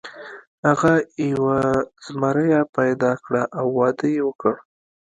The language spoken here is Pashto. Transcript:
هغه یوه زمریه پیدا کړه او واده یې وکړ.